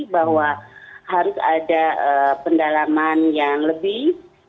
bahwa harus ada pendalaman yang lebih